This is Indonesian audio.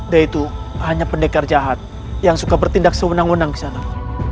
dia itu hanya pendekar jahat yang suka bertindak sewenang wenang kisanak